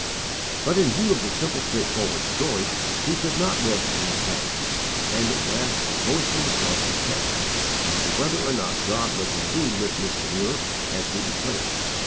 But, in view of the simple straightforward story, he could not rest in his doubts, and at last proposed to himself a test as to whether or not God was indeed with Mr. Muller, as he declared.